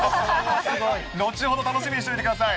後ほど、楽しみにしておいてください。